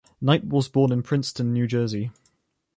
Knight was born in Princeton, New Jersey.